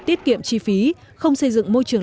tiết kiệm chi phí không xây dựng môi trường